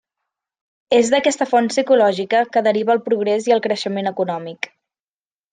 És d'aquesta font psicològica que deriva el progrés i el creixement econòmic.